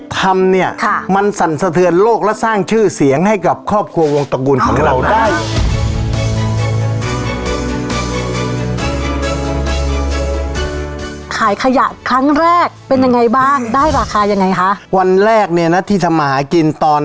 ผมว่าต้องประกอบกันไป